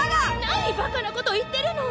何ばかなこと言ってるの！